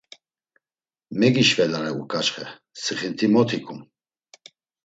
Megişvelare uǩaçxe sixint̆i mot ikum.